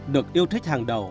được yêu thích hàng đầu